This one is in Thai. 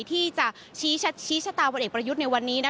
ที่จะชี้ชะตาบนเอกประยุทธ์ในวันนี้